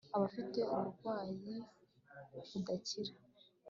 abafite uburwayi budakira